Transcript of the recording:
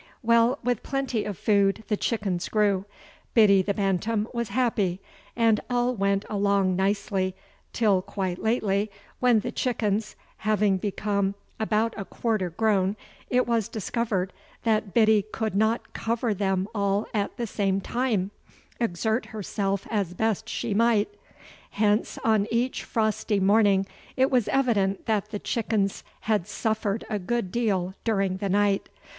Well, with plenty of food the chickens grew, Biddy the Bantam was happy, and all went along nicely till quite lately, when the chickens, having become about a quarter grown, it was discovered that Biddy could not cover them all at the same time, exert herself as best she might. Hence on each frosty morning it was evident that the chickens had suffered a good deal during the night.